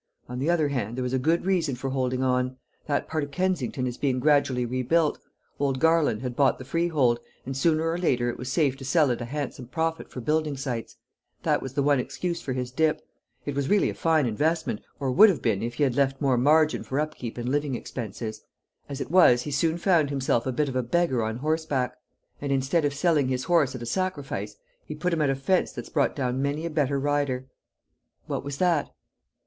On the other hand there was a good reason for holding on. That part of Kensington is being gradually rebuilt; old Garland had bought the freehold, and sooner or later it was safe to sell at a handsome profit for building sites. That was the one excuse for his dip; it was really a fine investment, or would have been if he had left more margin for upkeep and living expenses. As it was he soon found himself a bit of a beggar on horseback. And instead of selling his horse at a sacrifice, he put him at a fence that's brought down many a better rider." "What was that?"